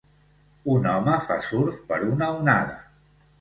Un home fa surf per una onada.